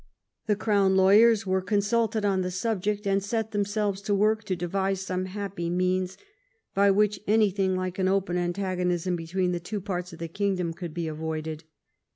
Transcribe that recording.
The crown lawyers were consulted on the subject and set themselves to work to devise some happy means by which anything like an open antagonism between the two parts of the king dom could be avoided.